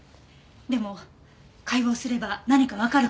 でも解剖すれば何かわかるかも。